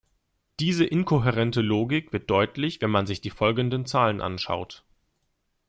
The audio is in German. Diese inkohärente Logik wird deutlich, wenn man sich die folgenden Zahlen anschaut.